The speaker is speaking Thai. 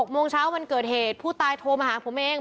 โมงเช้าวันเกิดเหตุผู้ตายโทรมาหาผมเอง